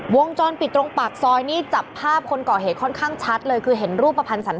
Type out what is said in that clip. วงจรปิดตรงปากซอยนี่จับภาพคนก่อเหตุค่อนข้างชัดเลยคือเห็นรูปภัณฑ์สัน